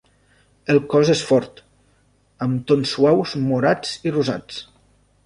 El cos és fort, amb tons suaus morats i rosats.